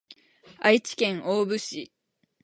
愛知県大府市